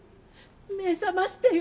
目覚ましてよ。